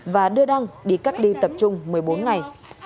và đưa đăng đi các đi tập trung một mươi bốn ngày